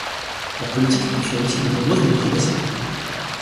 La politique reçoit aussi de nombreuses modifications.